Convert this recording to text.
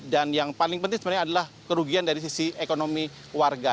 dan yang paling penting sebenarnya adalah kerugian dari sisi ekonomi warga